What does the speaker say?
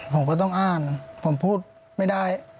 ผมก็ต้องอ่านผมพูดไม่ได้